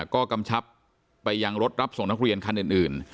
ก็กำชับไปยังรถรับส่งนักเรียนคันอื่น